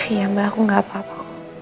iya mbak aku gak apa apa